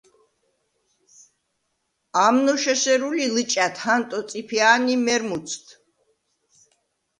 ამნოშ ესერუ ლი ლჷჭა̈თ ჰანტო წიფია̄ნ ი მერმუცდ!